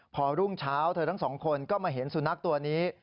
พอรุ่งเช้าเธอทั้งสองคนก็มาเห็นสุนัขตัวนี้